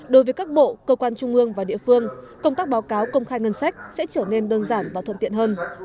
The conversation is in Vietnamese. đối với các bộ cơ quan trung ương và địa phương công tác báo cáo công khai ngân sách sẽ trở nên đơn giản và thuận tiện hơn